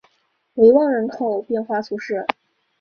维旺人口变化图示